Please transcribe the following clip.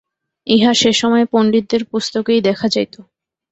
ইহা সেসময়ে পণ্ডিতদের পুস্তকেই দেখা যাইত।